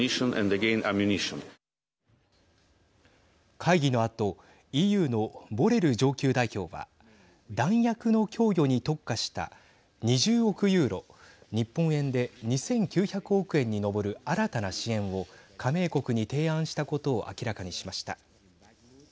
会議のあとＥＵのボレル上級代表は弾薬の供与に特化した２０億ユーロ日本円で２９００億円に上る新たな支援を加盟国に提案したことを明らかにしました。